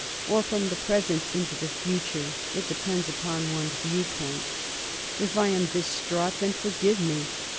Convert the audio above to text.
Or from the present into the future. It depends upon one's viewpoint. If I am distraught, then forgive me.